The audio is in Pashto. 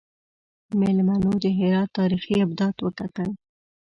میلمنو د هرات تاریخي ابدات وکتل.